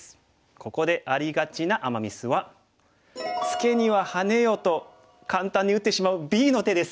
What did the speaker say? ここでありがちなアマ・ミスはツケにはハネよと簡単に打ってしまうＢの手です。